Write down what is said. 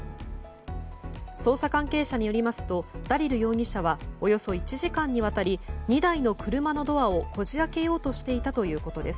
捜査関係者によりますとダリル容疑者はおよそ１時間にわたり２台の車のドアをこじ開けようとしていたということです。